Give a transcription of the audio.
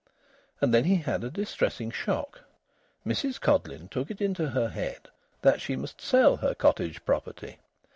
And then he had a distressing shock. Mrs Codleyn took it into her head that she must sell her cottage property.